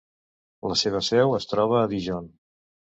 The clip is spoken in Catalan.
La seva seu es troba a Dijon.